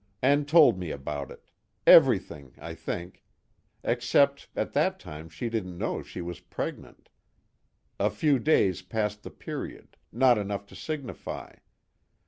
And told me about it. Everything, I think. Except at that time she didn't know she was pregnant a few days past the period, not enough to signify.